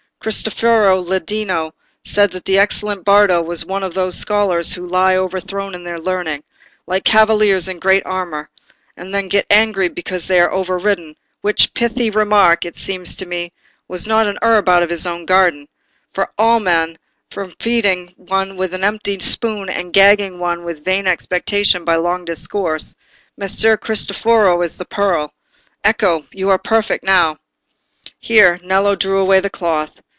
Cristoforo Landino said that the excellent Bardo was one of those scholars who lie overthrown in their learning, like cavaliers in heavy armour, and then get angry because they are over ridden—which pithy remark, it seems to me, was not a herb out of his own garden; for of all men, for feeding one with an empty spoon and gagging one with vain expectation by long discourse, Messer Cristoforo is the pearl. Ecco! you are perfect now." Here Nello drew away the cloth.